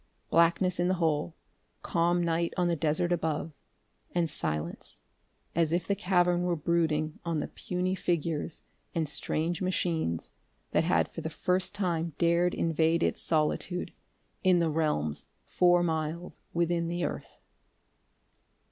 Blackness in the hole, calm night on the desert above and silence, as if the cavern were brooding on the puny figures and strange machines that had for the first time dared invade its solitude, in the realms four miles within the earth....